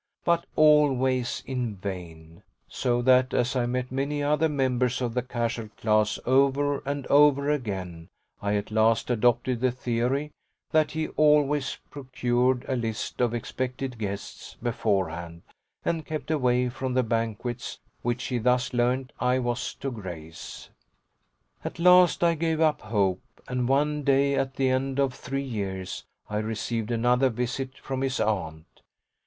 But always in vain; so that as I met many other members of the casual class over and over again I at last adopted the theory that he always procured a list of expected guests beforehand and kept away from the banquets which he thus learned I was to grace. At last I gave up hope, and one day at the end of three years I received another visit from his aunt.